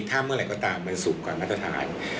ถ้าเมื่อไหร่ก็ตามมันสูงกว่ามาตรฐาน